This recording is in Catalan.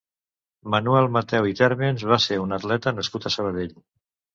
Manuel Mateu i Térmens va ser un atleta nascut a Sabadell.